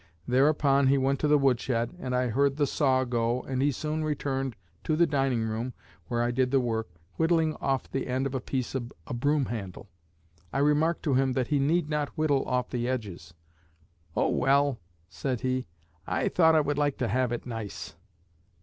Thereupon he went to the wood shed, and I heard the saw go, and he soon returned to the dining room (where I did the work), whittling off the end of a piece of broom handle. I remarked to him that he need not whittle off the edges. 'Oh, well,' said he, 'I thought I would like to have it nice.'